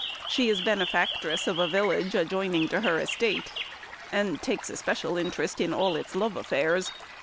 She is the benefactress of a village adjoining to her estate, and takes a special interest in all its love affairs.